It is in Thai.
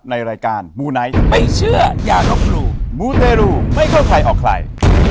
ในรายการมูไนท์ไม่เชื่ออย่าลบหลู่มูเตรูไม่เข้าใครออกใคร